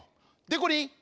でこりん！